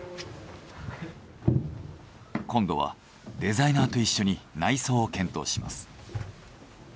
今度はデザイナーと一緒に内装を検討します。